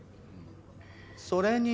それに。